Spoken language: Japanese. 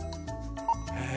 え！